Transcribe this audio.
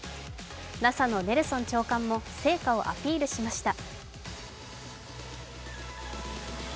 ＮＡＳＡのネルソン長官も成果をアピールしました。